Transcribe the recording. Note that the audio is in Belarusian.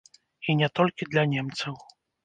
І не толькі для немцаў.